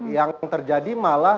yang terjadi malah